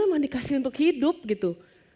cuma dikasih untuk hidup gitu